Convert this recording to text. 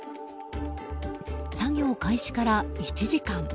作業開始から１時間。